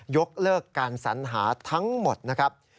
ยกเลิกการสัญหาทั้งหมดนะครับ